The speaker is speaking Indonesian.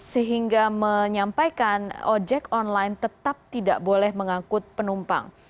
sehingga menyampaikan ojek online tetap tidak boleh mengangkut penumpang